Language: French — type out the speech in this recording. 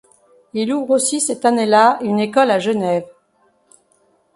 Il ouvre aussi cette année-là une école à Genève.